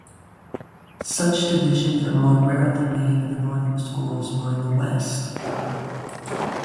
Such divisions are more rarely made in the Northern schools, or in the West.